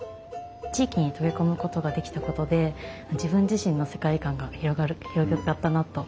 地域に溶け込むことができたことで自分自身の世界観が広がったなと思っています。